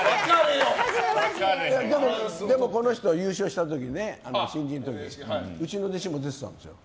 でもこの人、優勝した時新人の時うちの弟子が出てたんですよ。